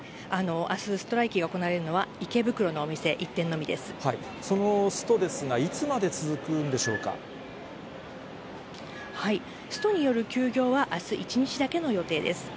あすストライキが行われるのは、そのストですが、いつまで続ストによる休業はあす１日だけの予定です。